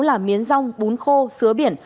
là miến rong bún khô sứa biển